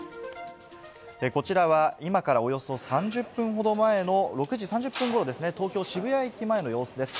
こちらは今からおよそ３０分ほど前の６時３０分ごろですね、東京・渋谷駅前の様子です。